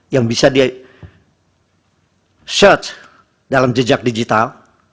yang bisa dia search dalam jejak digital